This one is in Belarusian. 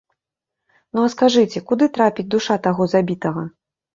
Ну, а скажыце, куды трапіць душа таго забітага?